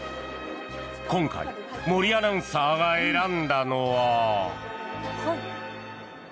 今回、森アナウンサーが選んだのは。